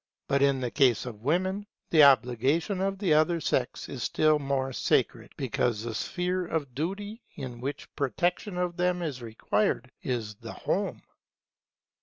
But in the case of women, the obligation of the other sex is still more sacred, because the sphere of duty in which protection for them is required, is the home.